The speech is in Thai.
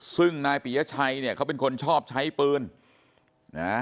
ซึ่งนายปียชัยเนี่ยเขาเป็นคนชอบใช้ปืนนะ